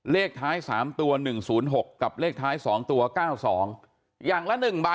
เลขท้าย๓ตัว๑๐๖กับเลขท้าย๒ตัว๙๒อย่างละ๑ใบ